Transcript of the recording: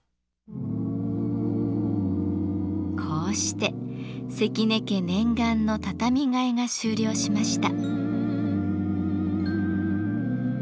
こうして関根家念願の畳替えが終了しました。